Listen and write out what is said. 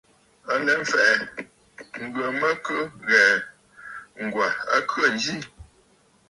À lɛ mfɛ̀ʼɛ̀, ŋghə mə kɨ ghɛ̀ɛ̀, Ŋ̀gwà a khê ǹzi.